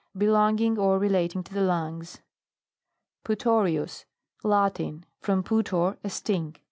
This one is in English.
Belonging or relating to the lungs. PUTORIUS. Latin. From putor, a stink.